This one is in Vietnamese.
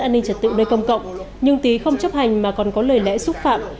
hương vinh đã bắt an ninh trật tự nơi công cộng nhưng tý không chấp hành mà còn có lời lẽ xúc phạm